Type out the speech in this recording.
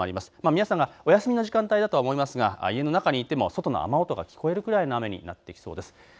皆さんがお休みの時間帯だとは思いますが、家の中にいても雨音が聞こえるくらいになりそうです。